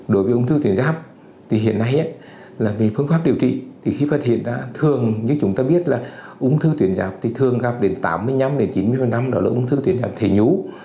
đối với ung thư tuyệt giáp thì hiện nay là vì phương pháp điều trị thì khi phát hiện ra thường như chúng ta biết là ung thư tuyệt giáp thì thường gặp đến tám mươi năm chín mươi năm năm đó là ung thư tuyệt giáp thể nhu